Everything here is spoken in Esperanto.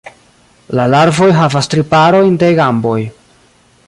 La larvoj havas tri parojn de gamboj.